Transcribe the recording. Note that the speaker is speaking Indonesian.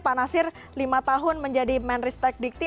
pak nasir lima tahun menjadi menristek dikti